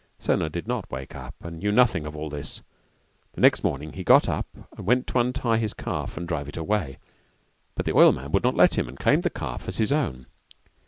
Sona did not wake up and knew nothing of all this, the next morning he got up and went to untie his calf and drive it away, but the oilman would not let him and claimed the calf as his own.